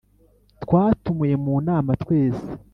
Twatumiwe mu nama twese